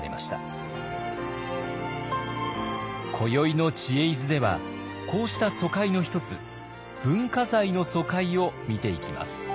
今宵の「知恵泉」ではこうした疎開の一つ文化財の疎開を見ていきます。